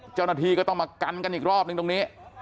เจ้าหน้าที่ก็ต้องมากันกันอีกรอบนึงตรงนี้